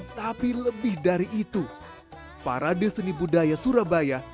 tapi lebih dari itu parade seni budaya surabaya